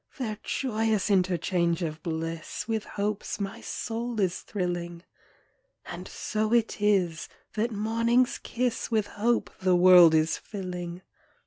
Their joyous interchange of bliss, With hopes my soul. is thrilling; And so it is that morning's kiss With hope the world is filling.